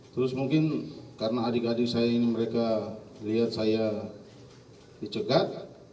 terus mungkin karena adik adik saya ini mereka lihat saya dicegat